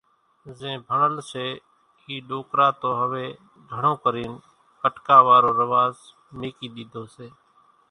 زين ڀڻل سي اِي ڏوڪرا تو هويَ گھڻون ڪرين پٽڪا وارو رواز ميڪِي ۮيڌو سي۔